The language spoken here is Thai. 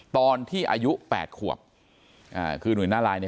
ตอนที่อายุ๘ขวบคือหนุ่ยหน้าลายเนี่ย